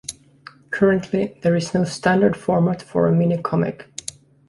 Currently, there is no standard format for a minicomic.